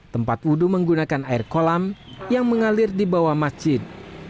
tempat wudhu menggunakan air kolam yang mengalir di bawah masjid